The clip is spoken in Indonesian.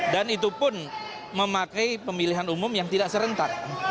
dan itu pun memakai pemilihan umum yang tidak serentak